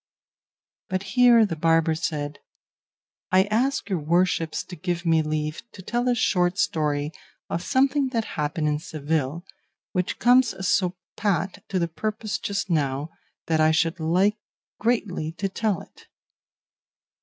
But here the barber said, "I ask your worships to give me leave to tell a short story of something that happened in Seville, which comes so pat to the purpose just now that I should like greatly to tell it."